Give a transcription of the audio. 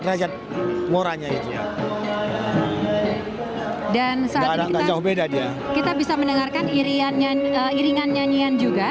rakyat moranya itu dan seharga jauh beda dia kita bisa mendengarkan iriannya ngiringan nyanyian juga